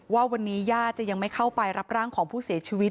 ว่าวันนี้ญาติจะยังไม่เข้าไปรับร่างของผู้เสียชีวิต